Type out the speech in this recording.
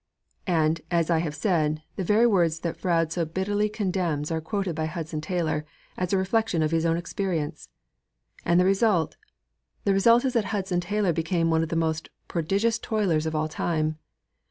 And, as I have said, the very words that Froude so bitterly condemns are quoted by Hudson Taylor as a reflection of his own experience. And the result? The result is that Hudson Taylor became one of the most prodigious toilers of all time.